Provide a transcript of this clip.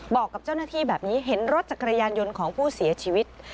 บอกกับเจ้าหน้าที่แบบนี้เห็นรถจักรยานยนต์ของผู้เสียชีวิต